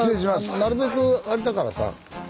なるべくあれだからさ。